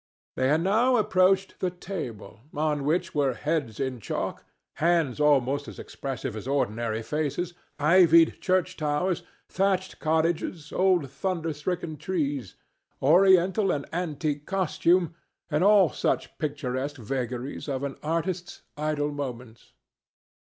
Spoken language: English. They had now approached the table, on which were heads in chalk, hands almost as expressive as ordinary faces, ivied church towers, thatched cottages, old thunder stricken trees, Oriental and antique costume, and all such picturesque vagaries of an artist's idle moments.